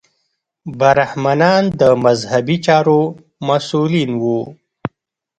برهمنان د مذهبي چارو مسوولین وو.